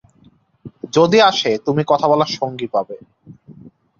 যদি আসে তুমি কথা বলার সঙ্গী পাবে।